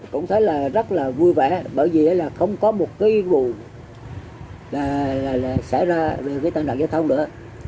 cũng thấy là rất là vui vẻ bởi vì không có một cái vụ xảy ra tăng nặng giao thông nữa